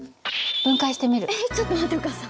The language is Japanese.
えっちょっと待ってお母さん。